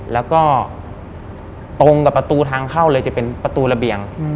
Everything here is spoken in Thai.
แล้วก็ตรงกับประตูทางเข้าเลยจะเป็นประตูระเบียง